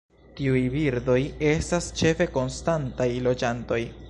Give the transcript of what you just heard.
Tiuj birdoj estas ĉefe konstantaj loĝantoj.